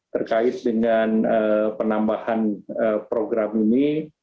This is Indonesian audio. terkait dengan penambahan program ini